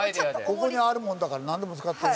ここにあるものだからなんでも使って。